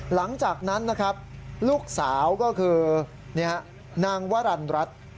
หลังจากนั้นลูกสาวก็คือนางวรรรณรัฐ